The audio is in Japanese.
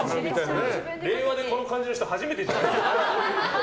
この感じの人初めてじゃない？